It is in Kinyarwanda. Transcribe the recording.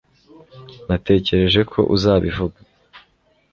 natekereje ko uzabivuga